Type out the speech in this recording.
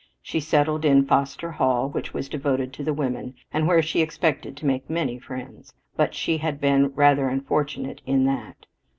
She settled in Foster Hall, which was devoted to the women, and where she expected to make many friends. But she had been rather unfortunate in that.